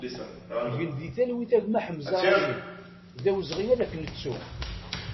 Gen di talwit a gma Ḥemza Racid, d awezɣi ad k-nettu!